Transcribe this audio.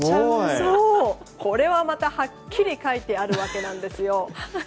これまたはっきり書いてあるわけなんですよ。